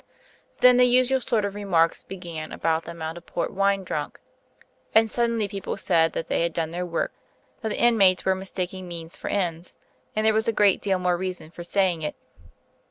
Then the usual sort of remarks began about the amount of port wine drunk; and suddenly people said that they had done their work, that the inmates were mistaking means for ends; and there was a great deal more reason for saying it.